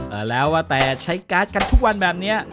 เออแล้วแต่ใช้ก๊าซกันทุกวันแบบนี้